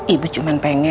ibu cuman pengen